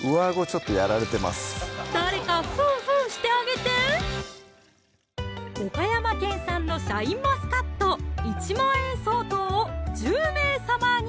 誰かフーフーしてあげて岡山県産のシャインマスカット１万円相当を１０名様に！